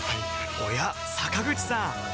おや坂口さん